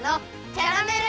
キャラメル！